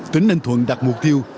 tỉnh ninh thuận đặt mục tiêu